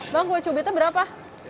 bang kue cubitnya berapa